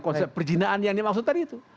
konsep perjinaan yang dimaksud tadi itu